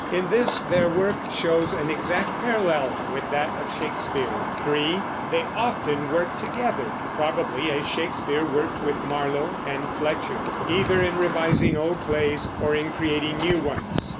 In this their work shows an exact parallel with that of Shakespeare. (3) They often worked together, probably as Shakespeare worked with Marlowe and Fletcher, either in revising old plays or in creating new ones.